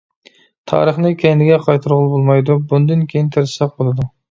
تارىخنى كەينىگە قايتۇرغىلى بولمايدۇ، بۇندىن كېيىن تېرىشساق بولىدۇ.